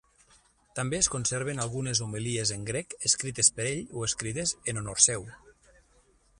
També es conserven algunes homilies en grec escrites per ell o escrites en honor seu.